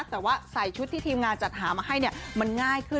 แต่ว่าใส่ชุดที่ทีมงานจัดหามาให้มันง่ายขึ้น